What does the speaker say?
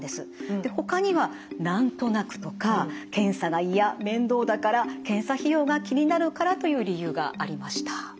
ほかには「なんとなく」とか「検査がいや」「面倒だから」「検査費用が気になるから」という理由がありました。